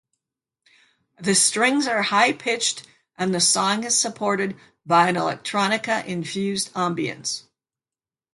The strings are high-pitched and the song is supported by an electronica-infused ambience.